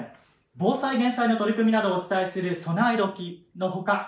防災・減災の取り組みなどをお伝えする「備えドキ！」の他